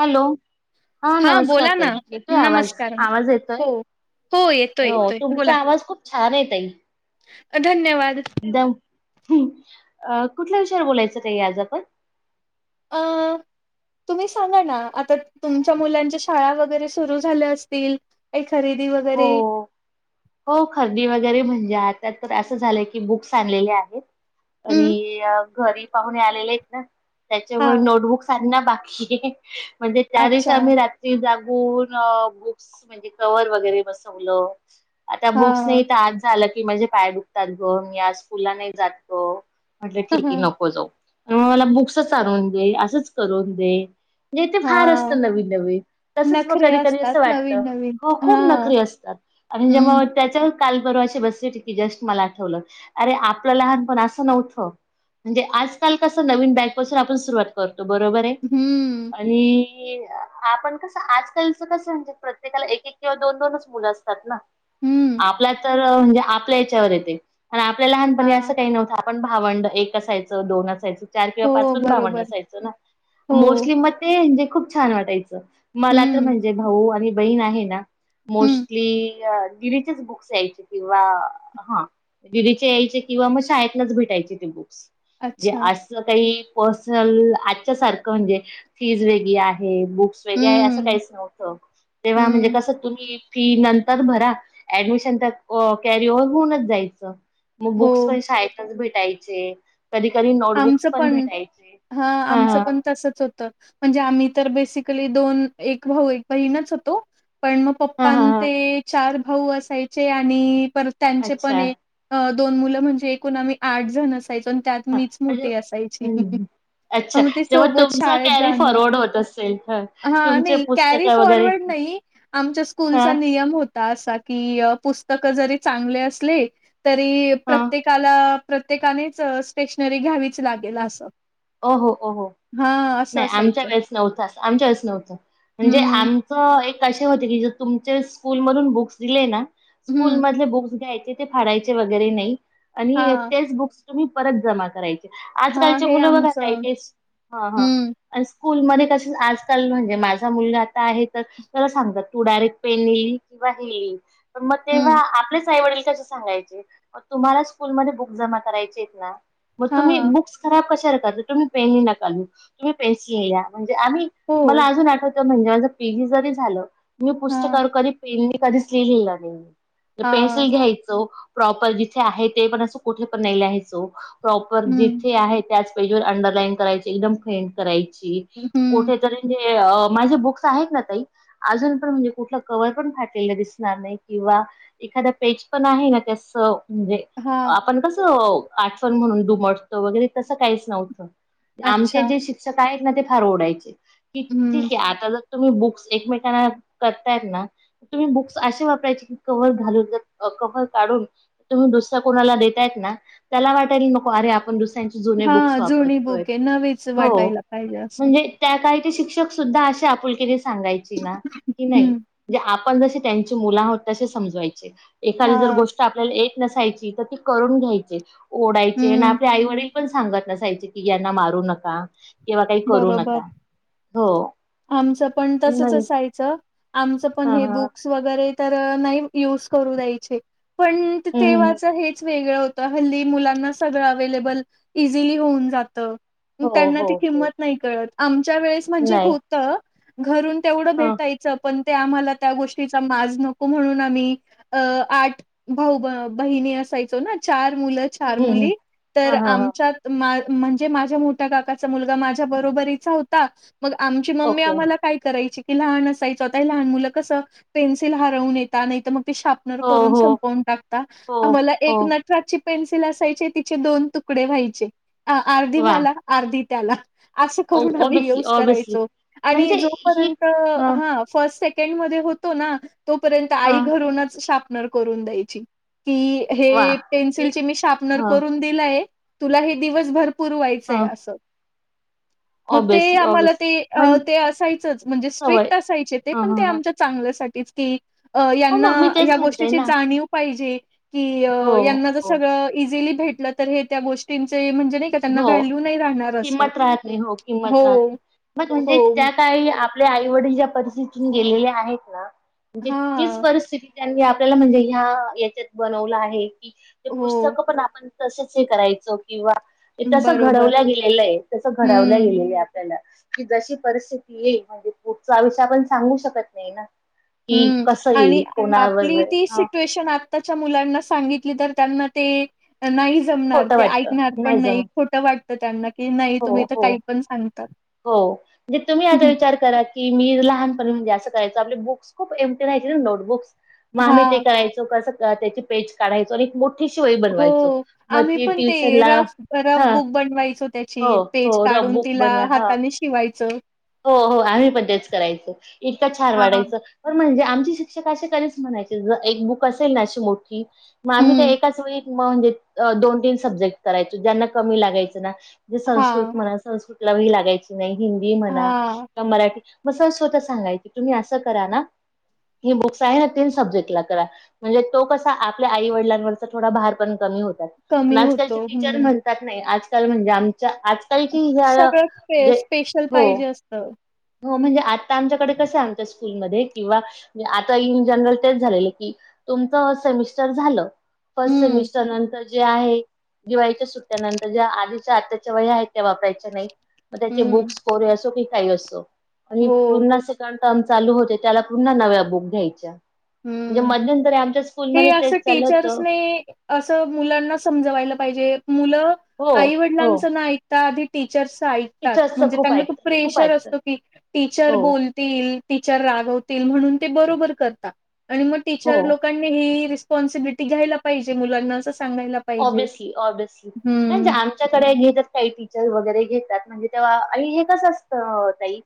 Hello. हा हां नमस्कार बोला ना ताई येतोय आवाज. नमस्कार आवाज येतोय. हो हो येतोय हो येतोय बोला तुमचा आवाज खूप छान ताई. धन्यवाद. एकदम अ कुठल्या विषयावर बोलायचं ते आज आपण. आ. तुम्ही सांगा ना आता तुमच्या मुलांच्या शाळा वगैरे सुरू झाल्या असतील एखादी. दी हो वगैरे. हो खरेदी वगैरे म्हणजे आता तर असं झालंय की बुक्स आणलेले आहेत हम्म आणि घरी पाहून आलेले आहेत ना त्याच्यामुळे हा नोटबुकांना बाकी म्हणजे त्या दिवशी अच्छा आम्ही रात्री जा बुक्स म्हणजे कवर्ह वगैरे बसवलं आता हा बुक्स नाही तर आज झालं की म्हणजे पाय दुखतात ग मी आज स्कूलला नाही जात ग म्हटलं ठीक हा आहे नको जाऊ म मला बुक्सच आणून दे असंच करून दे म्हणजे ते फार हा, असतं नवीन नवीन तसच मग नखरे कधी कधी असतात असं वाटत नवीन नवीन खूप हा नखरे असतात म्हणजे हम्म मग त्यांच्या काल परवाशी बसली जस्ट मला आठवलं अरे आपलं लहानपण असं नव्हतं म्हणजे आजकाल कस नवीन बॅगपासून आपण सुरुवात करतो बरोबर आहे हम्म आणि क आपण कसं आजकालच कस म्हणजे प्रत्येकाला एक एक किंवा दोन दोनच मुलं असतात ना हम्म आपला तर म्हणजे आपल्या यांच्यावर येते आणि आपल्या हा लहानपणी असं काही नव्हतं आपण भावंड एक असायचं दोन असायचं चार किंवा पाच हो पण भावंड बरोबर असायचं ना हो मोस्टली मग ते म्हणजे खूप छान वाटायचं मला तर हम्म म्हणजे भाऊ आणि बहीण आहे ना हम्म मोस्टली दिदीचेच बुक्स यायचे किंवा हा दिदीचे यायचे किंवा मग शाळेतलाच भेटायचे ते बुक्स अच्छा अस काही पर्सनल आजच्या सारखं म्हणजे फीज वेगळी आहे बुक्स वेगे असं हम्म काहीच नव्हतं तेव्हा म्हणजे हम्म कसं तुम्ही फी नंतर भरा ऍडमिशन तर कॅरी ओव होऊनच जायचं मग हो बुक्स पण शाळेतच भेट दयाचे आमचं पण हा आमचं पण तसेच होतं म्हणजे आम्ही तर बेसिकली दोन एक भाऊ बहिण होतो पण मग हां, पप्पा हां, हां. चार भाऊ असायचे आणि पर त्यांचे अच्छा. पण दोन मुलं म्हणजे एकूण आम्ही आठ जण असायचो आणि त्यात हां, मीच म्हणजे मोठी असायची हं. अच्छा. आणि तेव्हा सोबत तुमचं शाळेत कॅरी जाणं फॉरवर्ड होत असेल. हं. हा तुमचे नाही कॅरी पुस्तकं वगैरे. फॉरवर्ड नाही आमच्या स्कूलचा हां, नियम होता अस की पुस्तक जरी चांगले असले तरी हां. प्रत्येकाला प्रत्येकानेच स्टेशनरी घ्यावीच लागेल असं हो, हो हा असं नाही आमच्या असायचं वेळेस नव्हतं आमच्या वेळेस नव्हतं म्हणजे हम्म. आमचं एक तुमच्या स्कूल मधुन बुक दिले ना स्कूल हं. मधले बुक घ्यायचे फाडायचे वगैरे नाही हां. बुक तुम्ही परत जमा करायचे हां. आजकालची हे मुलं आमचं बघायेस हा, हा हं, आणि स्कूलमध्ये क आजकाल म्हणजे माझा मुलगा आता आहे तर त्याला सांगतात तू डायरेक्ट पेनि किं हे पण मग तेव्हा हं. आपल्याच आईवडील तसे सांगायचं मग तुम्हाला स्कूल म बुक जमा करायची आहेत ना मग तुम्ही हां. बुक्स खराब कशाला करत तुम्ही पेन ही नका लिहू तुम्ही पेन्सिल म्हणजे आम्ही हो. मला अजून आठवतो म्हणजे माझे पेजी जरी झालं मी पुस्तक हां, कधी पेन कधीच लिहिले नाही हां. पेनसिल घ्यायचं प्रॉपर जिथे आहे ते पण असं कुठे पण नाही लिहायचो प्रॉपर हं, जिथे आहे त्याचे अंडरलाईन करायची एकदम फेन्ट करायची हं. कुठेतरी माझे बुक्स आहेत ना ताई अजून पण म्हणजे कुठलं कवर पण फाटलेलं दिसणार नाही किंवा एखाद पेज पण आहे ना त्यास म्हणजे हां. आपण कसं आठवण म्हणून दुमटतं वगैरे तसं काहीच नव्हतं अच्छा शिक् ना ते फार ओढायचे की ठीक हं. आहे आता तुम्ही बुक्स एकमेकांना करतायत ना तुम्ही बुक्स असे वापरायचे की क्हवर घालून कव्हर काढून तुम्ही दुसऱ्या कोणाला देतायना त्याला वाटल अरे आपण दुसऱ्या त्यांची जुनी बुक्स हां. जुनी वापरतोय बुके नवीच हो वाटायला पाहिजे असं. म्हणजे त्यात का शिक्षक सुधा अशी आपुलकी सांगायची ना की हं. नाहीणे आपण जशी त्यांची मुलं आहोत तसे समजवायचे एखादी जर हां. गोष्ट आपल्याला एक नसायची तर ती करून घ्यायचे ओढायचे आणि हं. आपल्या आईवडील पण सांगत नसायचे की यांना मारू नका किंवा काही करू नका हो आमच पण तसच म्हण असायच आमच पण हा हे हा बुक्स वगरे तर नाही यूज करू द्याय पण हम्म तेव्हाच हेच वेगळं होत हल्दी मुलांना सगळं अवे्लेबल इझिली होऊन जातं हो त्यांना हो ती हो किंमत नाही कळत आमच्या वेळेस म्हणजे नाही होत घरून तेवढं हा भेटायचं पण आम्हाला त्या गोष्टीचा माज नको म्हणून आम्ही आठ भाऊ बहिणी अस असायचं ना चार हम्म हम्म हा हा आण हा मा का मु बरोबरीचा होताच मग आमची मम्मी ओके आम्हाला काय करायची की लहान असायचं आता लहान मुलं कसं पेन्सिल हरवून येतता नाही तर मग श्पनर हो करून हो संपुन टाकता हो आम्हाला हो एक नटराज ची पेन्सिल असायचे तिचे दोन तुकडे व्हायचे अर्धी वा मला अर्धी त्याला अस करून आम्ही ऑब्विसली युज ऑब्विसली करायो आणि म्हणजे ही जोपर्यंत हा ह फसेट [unintelligible] होतो ना तोपर्यंत आई हा घरूनच शार्पनर करून द्यायची की हे वा ते पेन्सिल मी शार्पनर हा करून दिलाय तुला हे दिवसभर हा पुरवायचंय असं [inaudible] मग ते आम्हाला ऑब्विसली ते पण ते असायचंच म्हणजे सवय स्ट्रिक्ट असायचे ते ह पण ह ते ह आमच्या चांगल्यासाठी तेच कि हो यांना मग मी या तेच म्हणतेय गोष्टीची ना जाणीव पाहिजे कि हो यांना जर हो सगळं इझिली भेटलं तर हे त्या गोष्टींचे म्हणजे ते नाही का त्यांना व्हॅल्यू नाही राहणार अस [unintelligible] हो म्हणे ज्याकाळी आपल्या आई वडील पद्धतीने गेलेल आहेत ना म्हणजे तीच हा परिस्थिती त्यांनी आपल्याला म्हणजे ह्या याच्यात बनवलं आहे की ते हो पुस्तक पण आपण तसच हे करायचो किंवा तस बरोबर घडवल्या गेलेलं आहे तसं घडवल्या हम्म गेलेलं आहे आपल्याला कि जशी परिस्थिती येईल म्हणजे पुढचा आयुषय आपण सांगू शकत नाही ना कि हम्म कसं येईल आणि कोणा बरोबर आताच्या मुलांना सांगितली तर त्यांना ते नाही जमणार खोटं ते वाटतं ऐकणार पण नाही जमत खोटं वाटतं त्यांना की नाही हो तुम्ही तर हो काही पण सांगतात हो म्हणजे तुम्ही याचा विचार करा की मी लहानपर्यंत जास्त करायचो आपले बुक्स खूप एमटी राहायचे ना नोटबुक्स मग आम्ही ते हां. करायचो कसं त्याची पेज काढयचो आणि मोठ शिवाय बनवायचो हो. मग आम्ही ते पण ट्युशनला रफ रफ हा बुक बनवायचो त्याची हो पेज हो काढून रबुक तिला बन हा हाताने शिवायचं. हो हो आम्ही पण तेच करायचो इतक छार हां. वाढायचं पण म्हणजे आमची शिक्षक तरी च म्हणायचे जर एक बुक असेल ना आशी मोठी आम्ही ते हं. एकाच वेळी मग म्हणजेआ दोन ती सब्जेक्ट करायच ज्यांना कमी लागायचं ना संस्कृत हां, म्हणा संस्कृतला वही लागायची नाही हिंदी म्हणा हां. का मराठी मग स्वतः सांगायचे तुम्ही असं करा ना ही बुक्स आहे ना तीन सब्जेक्टला करा म्हणजे तो कसा आपल्या आई वडिलांवरचा थोडा भार पण कमी होतो कमी आजकालचे होतो. टीचर हं. म्हणतात नाही आजल म्हणजे आच आज कालची झालाे सगळं स्पे म्हणजे स्पेशल हो पाहिजे असतं. हो म्हणजे आता आमच्याकडे कसं आहे आमच्या स्कूलमध्ये किंवा म्हणजे आता इन जनरल तेच झालेलं की तुमच सेमिस्टर झालं फसट हं, सेमटर नंतर ची जे आहे दिवाळीच्या सुट्ट्यानंतर ज्या आधीच्या आताच्या याच्या वय आहेत त्या वापरायच्या नाही मग त्याचे हं. बुकस कोरे असो की काही असो आणि हो. पूर्ण असे [unintelligible] कम चालू हो त्याला नव्या बुक घ्याय म्हणध्यंतरी आमच्या ते स्कूलमध्ये असं तेच चालू होतं टीचर्सने असं मुलांना समजवायला पाहिजे. मुलं, हो आई हो वडिलांचं ना ऐकता आधी टिचर च ऐकतात टीचर्सच म्हणजे खूप त्यांना तू ऐकतात खूप प्रेशर ऐकतात असतो की टीचर हो बोलतील. टीचर रागवतील म्हणून ते बरोबर करतात आणि मग टीच हो लोक. रिसपोन्स ब्लिटी घ्यायला पायजे मुलांना असं. सांगायला पाहिजे. ऑब्यसली, ऑब्यसली जे हम्म, आमच्याकडे घेतात काही टीचर वगैरे घे म्हणजे तेव्हा हे कस असत ताई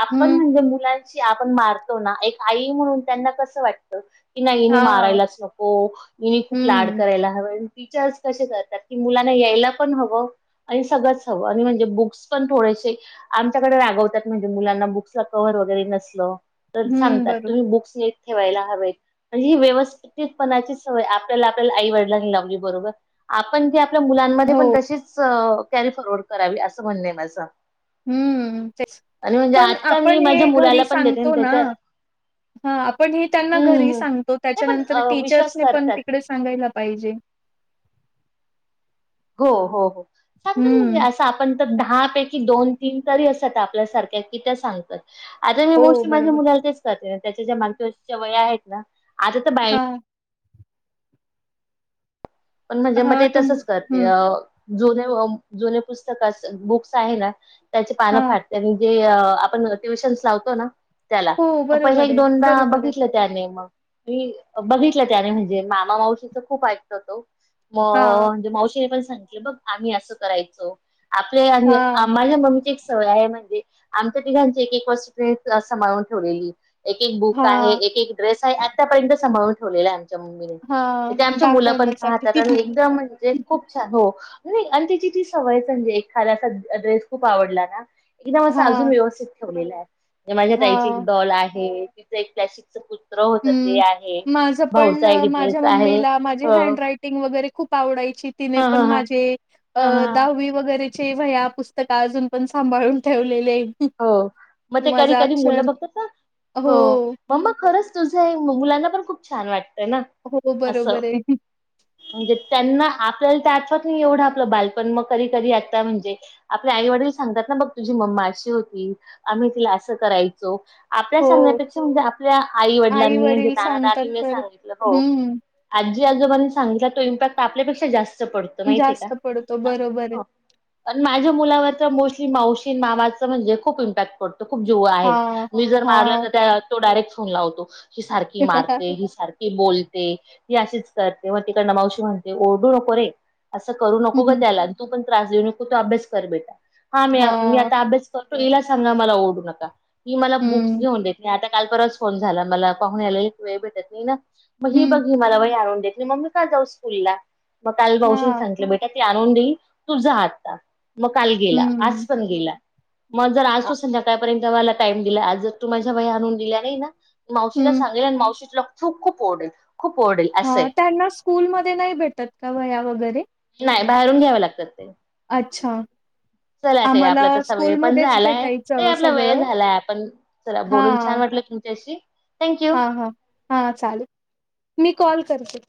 आपण हम्म. म्हणजे मुलां आपण मारतो ना एक आई म्हणून त्यांना कसं वाटत. कि नाही इने हां. मारायलाच नको, हिने खूप लाड हम्म, करायला हवंय. टीचर्स, कसे करतात की मुलांना यायला पण हवं आणि सगळंच हवं आणि म्हणजे बुक्स पण थोडे. आमच्याकडे रागवतात म्हणजे मुलांना बुक्स कव्हर वगैरे नसलं. तर हम्म. सांगतात बरोबर. तुम्ही बुक्स निट ठेवायला हवेत म्हणजे ही व्यवस्थितपणाची सवय आपल्याला, आपल्याला आईवडलांनी लावली म्हजे बरोबर आपण जे आपल्या मुलांमध्ये पण हो. तशीच. त्यानी फॉरवर्ड करावी असं म्हणणे माझं. हम्म, तेच आणि म्हणजे पण आता मी आपण माझ्या हे घरी मुलाला पण देते सांगतो आणि ना. त्याच्या हा आपण हे त्यांना घरी हं. सांगतो. नाही पण त्याच्यानंतर अ, टीचर्स विश्वास पण करतात. तिकडे सांगायला पाहिजे. [inaudible] हो, हो, हो सांगत म्हणजे हम्म असं आपण दहा पैकी दोन तीन तरी असतात आपल्यासारख्या कि त्या सांगतात. आता हे हो गोष्टी माझ्या बरोबर मुलाला तेच करते त्याच्या ज्या मागच्या वर्षीच्या वया आहेत ना आता तर बाई हा पण म्हणजे मग हा ते तुम तसंच करते हम्म अ जुने, जुने पुस्तक, बुक्स आहे ना त्याचे पानं हा फाटते आणि जे अ आपण ट्युशन लावतो ना त्याला हो पहिले बरोबर एक आहे दोनदा बरोबर आहे बघितलं त्याने मग. मी बघितलं त्याने म्हणजे मामा मावशीच खूप ऐकतो तो. म, हा म्हणजे मावशीने पण सांगितलं बघ आम्ही असं करायचो. आपले हा माझ्या मम्मीचे वय म्हणजे आमच्या तिघांची एक, एक वस्तू य सभाळून ठेवलेली. एक, एक बुक आहे, हा एक, एक ड्रेस आहे, आत्तापर्यंत सभाळून ठेवलेला आहे. हा आमच्या मुलं पण पाहतात दाखवण्यासाठी आणि एकदम म्हणजे खूप छान हो. नाही आणि त्याची ती सवय म्हणजे एखादा अस ड्रेस खूप आवडला ना. एकदम असं हा अजून व्यवस्थित ठेवलेलं आहे म्हे माझ्या हा ताईची एक डॉल आहे तिचं एक प्लस्टिक च होत ते आहे हम्म माझं पण अ, भाऊसाइड माझ्या डियरेस आहे. मम्मीला माझी [unintelligible] खूप आवडायची. ह तिने ह पण ह माझे ह अ- ह दहावी व चे वया पुस्तक अजून पण सांभाळून ठेवलेले आहेत. हो मग ते कधी कधी मुलं बघतात ना. हो. मम्मा खरंच तुझं मुलांना पण खूप छान वाटतं. हो, अस, बरोबर आहे. म्हणजे त्यांना. आपल्याला ते आठवात नाही एवढं आपलं बालपण मग कधी कधी आता म्हणजे आपले आई वडील सांगतात ना, बघ तुझी मम्मा अशी होती. कि आम्ही तिला असं करायचो. आपल्या हो, सांगण्यापेक्षा म्हणजे आपल्या आई वडिलांनी जे आई-वडील दादा, सांगतात दादी हे तर सांगितलं हो. हं, आजी, आजोनी सांगितला तो इम्पॅक्ट आपल्यापेक्षा जास्त. पडतो माहितीये का? जास्त पडतो बरोबर आहे. आणी माझ्या मुलावर तर मोस्ट मावशी, मामाच म्हणजे खूप इपाक्ट पडतो खुप जीव आहे, हां, मी जर मारल हां. तर तो डायरेक्ट. लावतो हि सारखी मारते हि सार की बोलते ती अशीच करते मग तिकड न मावशी म्हणते ओरडू नको रे असं करू हं, नको ग हं. त्याला आणि तू पण त्रास देऊ नको तु पन अभ्यास कर बेटा हा मी, मी हां, आता अभ्यास कर हिला सांगा मला ओरढू नका मी मला बुक्स हं, घेऊन देत नाही. काल परवाच फोन झाला मला पाहून आलेलेत वेळ भेटत नाही ना हं, बघ मला वही मम्मी का जाऊ स्कूलला मग काल भाऊजींनी हां, सांगितलं बेट आणून देई तुझ हात मग काल गेला आज हं, पण गेला मग जर आ, असतो संध्याकाळपर्यंत ला टाइम दिला जर तू माझ्या वह्या आणून दिल्या नाही ना मावशीना हं, सांगेल आणि मावशी तुला खूप खूप ओरढेल ह त्यांना स्कूलमध्ये नाही भेटत का वह्या वगैरे नाही बाहेरून घ्याव लागतात ते अच्छा! चला ते आम्हाला आपला तसा वेळ पण स्कूलमध्येच झालाय ते भेटायचं आपला वेळ सगळं. झालाय आपण चला बोलून छान वाटत तुमच्याशी थँक्यू हा हा हा चालेल मी कॉल करते.